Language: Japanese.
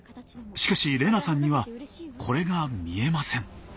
しかし玲那さんにはこれが見えません。